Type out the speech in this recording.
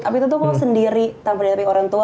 tapi itu tuh aku sendiri tanpa diadakan oleh orang tua